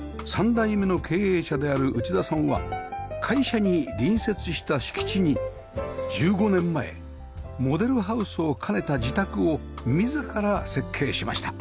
３代目の経営者である内田さんは会社に隣接した敷地に１５年前モデルハウスを兼ねた自宅を自ら設計しました